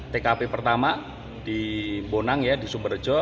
tkp pertama di bonang ya di sumberjo